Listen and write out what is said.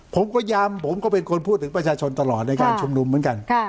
พยายามผมก็เป็นคนพูดถึงประชาชนตลอดในการชุมนุมเหมือนกัน